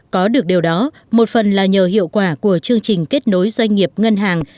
có được điều đó một phần là nhờ hiệu quả của chương trình kết nối doanh nghiệp ngân hàng